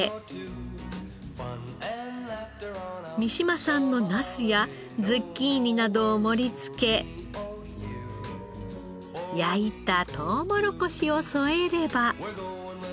三島産のナスやズッキーニなどを盛りつけ焼いたとうもろこしを添えれば。